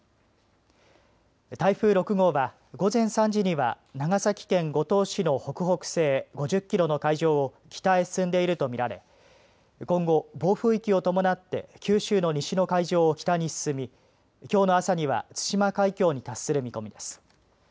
台風６号は、午前３時には長崎県五島市の北北西５０キロの海上を北へ進んでいると見られ今後、暴風域を伴って九州の西の海上を北に進み、きょうの朝には対馬海峡に達する見込みです。